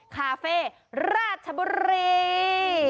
คาเฟ่ราชบุรี